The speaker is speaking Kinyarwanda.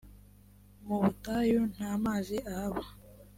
mubutayu ntamazi ahaba.